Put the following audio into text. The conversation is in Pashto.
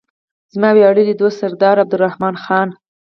زما ویاړلی دوست سردار عبدالرحمن خان.